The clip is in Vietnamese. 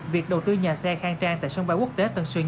việc đầu tư nhà xe khang trang tại sân bay quốc tế